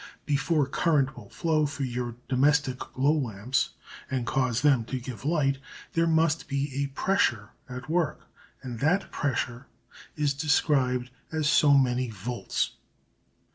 Before current will flow through your domestic glow lamps and cause them to give light there must be a pressure at work, and that pressure is described as so many volts.